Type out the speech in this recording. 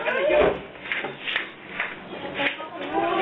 สนุกแท้บสุดท้าย